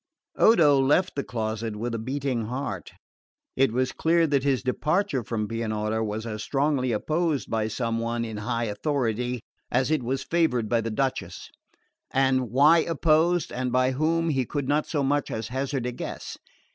Odo left the closet with a beating heart. It was clear that his departure from Pianura was as strongly opposed by some one in high authority as it was favoured by the Duchess; and why opposed and by whom he could not so much as hazard a guess.